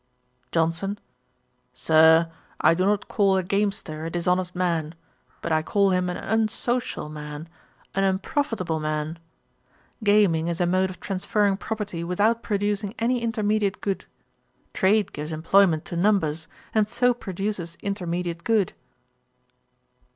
JOHNSON. 'Sir, I do not call a gamester a dishonest man; but I call him an unsocial man, an unprofitable man. Gaming is a mode of transferring property without producing any intermediate good. Trade gives employment to numbers, and so produces intermediate good.'